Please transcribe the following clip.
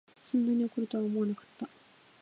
そんなに怒るとは思わなかった